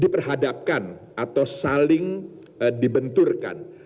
diperhadapkan atau saling dibenturkan